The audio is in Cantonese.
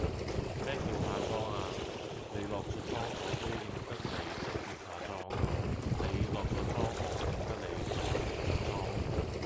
咩叫化妝啊，你落左妝我都認得你就叫化妝，你落左裝我唔認得你就叫喬裝!